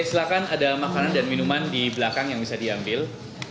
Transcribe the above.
silahkan ada makanan dan minuman di belakang yang bisa diambil